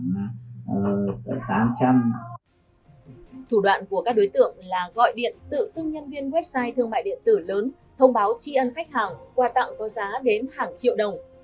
thủ đoạn của các đối tượng là gọi điện tự xưng nhân viên website thương mại điện tử lớn thông báo tri ân khách hàng quà tặng có giá đến hàng triệu đồng